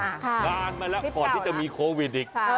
ค่ะคลิปเก่านะค่ะคลิปเก่านะงานมาแล้วก่อนที่จะมีโควิดอีก